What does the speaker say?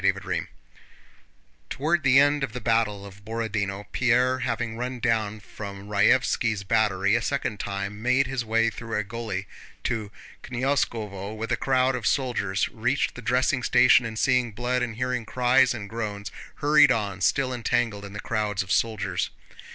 CHAPTER VIII Toward the end of the battle of Borodinó, Pierre, having run down from Raévski's battery a second time, made his way through a gully to Knyazkóvo with a crowd of soldiers, reached the dressing station, and seeing blood and hearing cries and groans hurried on, still entangled in the crowds of soldiers.